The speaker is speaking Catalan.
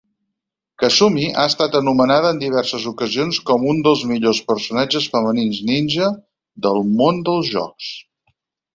Kasumi ha estat anomenada en diverses ocasions com un dels millors personatges femenins ninja del món dels jocs.